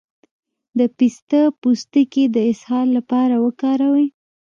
د پسته پوستکی د اسهال لپاره وکاروئ